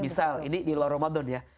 misal ini di luar ramadan ya